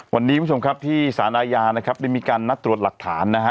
วันนี้คุณผู้ชมครับที่สารอาญานะครับได้มีการนัดตรวจหลักฐานนะฮะ